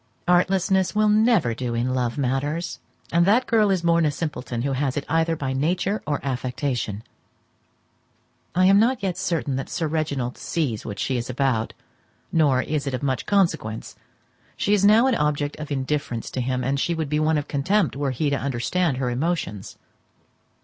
Artlessness will never do in love matters; and that girl is born a simpleton who has it either by nature or affectation. I am not yet certain that Reginald sees what she is about, nor is it of much consequence. She is now an object of indifference to him, and she would be one of contempt were he to understand her emotions.